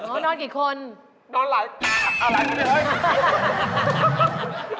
โอ๊ยนานกี่คนนอนหลายอะไรนี่เลย